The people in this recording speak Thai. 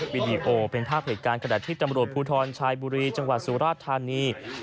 วิดีโอเป็นภาพเหตุการณ์ขณะที่ตำรวจภูทรชายบุรีจังหวัดสุราชธานี